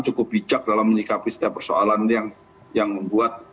cukup bijak dalam menyikapi setiap persoalan ini yang membuat